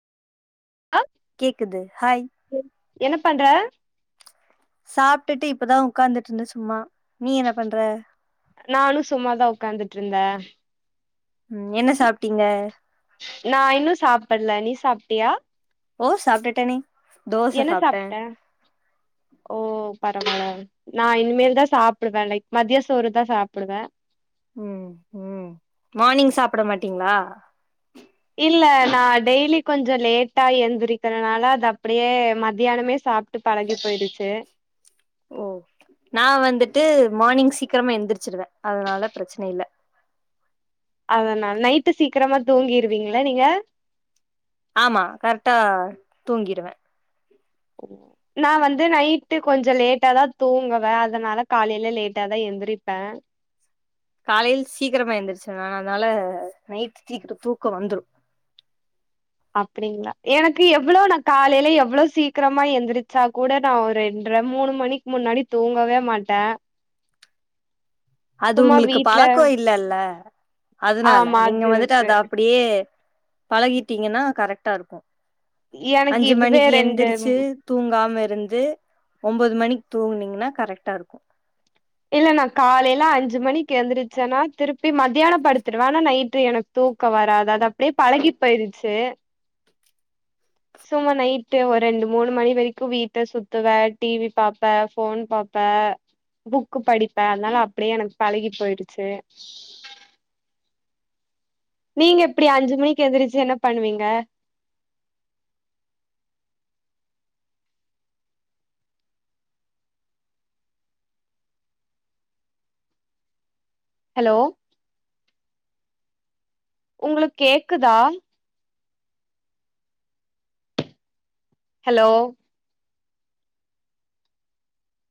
ஆ கேக்குது ஹாய் என்ன பண்ற சாப்ட்டுட்டு இப்பதா உக்காந்துட்டுருந்த சும்மா நீ என்ன பண்ற நானு சும்மாதா உக்காந்துட்டுருந்தே ம் என்ன சாப்ட்டீங்க நா இன்னு சாப்பல்ல நீ சாப்ட்டியா ஓ சாப்ட்டுட்டேனே என்ன சாப்ட்ட ஓ பரல நா இனிமேல் தா சாப்புடுவே லைக் மத்தியசோறு தா சாப்புடுவே ம் ம் மானிங் சாப்பட மாட்டீங்களா இல்ல நா டெய்லி கொஞ்ச இல்ல நா லேட்டா எந்திருக்கறனால அது அப்டியே மத்தியானமே சாப்ட்டு பழகி போயிருச்சு ஓ நா வந்துட்டு மானிங் சீக்கிரமா எந்திரிச்சிருவே அதனால ப்ரச்சன இல்ல அதனா நைட்டு சீக்கிரமா தூங்கிருவீங்களா நீங்க ஆமா கரெக்டா தூங்கிருவே நா வந்து நைட்டு கொஞ்ச லேட்டாதா தூங்குவே அதனால காலைல லேட்டாதா எந்திரிப்பே காலேல சீக்கிரமா எந்துருச்சுருவே நா அதனால நைட் சீக்கிர தூக்க வந்துரும் அப்டிங்களா எனக்கு எவ்வள நா காலல எவ்வள சீக்கரமா எந்திரிச்சா கூட நா ஒரு ரெண்ர மூணு மணிக் முன்னாடி தூங்கவே மாட்ட அது உங்களுக்கு பழக்கோ இல்லல்ல அதனால ஆமா நீங்க அது வந்துட்டு இருக்கு அத அப்டியே பழகீட்டீங்கனா கரெக்டா இருக்கு எனக்கு அஞ்சு இதுவே மணிக்கு ரெண்டு எந்திரிச்சு தூங்காம இருந்து ஒம்போது மணிக்கு தூங்குனீங்கனா கரெக்டா இருக்கு இல்ல நா காலேல அஞ்சு மணிக்கு எந்துருச்சேனா திருப்பி மத்தியான படுத்துடுவே ஆனா நைட்டு எனக்கு தூக்க வராது அது அப்டியே பழகி போயிருச்சு சும்மா நைட்டு் ஒரு ரெண்டு மூனு மணி வரைக்கு வீட்ட சுத்துவே டிவி பாப்பே போன் பாப்பே புக்கு படிப்பே அதனால அப்டியே எனக்கு பழகி போயிருச்சு நீங்க எப்டி அஞ்சு மணிக்கு எந்துருச்சு என்ன பண்ணுவீங்க ஹலோ உங்களுக்கேக்குதா ஹலோ